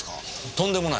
とんでもない。